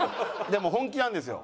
でも本気なんですよ。